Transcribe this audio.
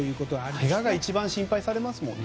けがが一番心配されますもんね。